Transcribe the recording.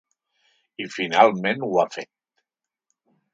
I finalment ho ha fet.